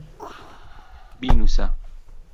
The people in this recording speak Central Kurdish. بینووسە.